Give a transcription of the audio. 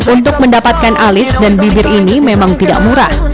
untuk mendapatkan alis dan bibir ini memang tidak murah